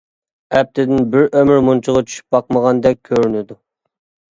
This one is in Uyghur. ئەپتىدىن بىر ئۆمۈر مۇنچىغا چۈشۈپ باقمىغاندەك كۆرۈنىدۇ.